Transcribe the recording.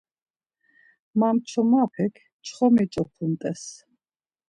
Mamçomapek çxomi ç̌opumt̆es.